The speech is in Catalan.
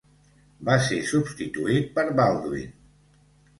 Va ser substituït per Baldwin.